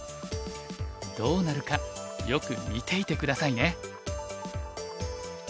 どうなるかよく見ていて下さいね。